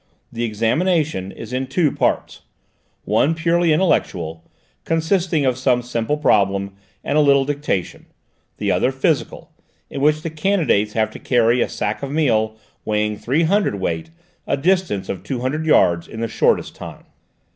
The examination is in two parts: one purely intellectual, consisting of some simple problem and a little dictation, the other physical, in which the candidates have to carry a sack of meal weighing three hundredweight a distance of two hundred yards in the shortest time.